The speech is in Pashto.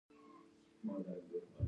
د ډالر پر وړاندې د افغانۍ ارزښت څنګه دی؟